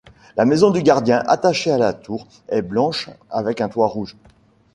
La maison du gardien, attachée à la tour, est blanche avec un toit rouge.